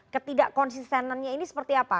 ketidak konsistenannya ini seperti apa